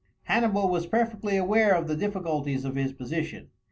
Hannibal was perfectly aware of the difficulties of his position.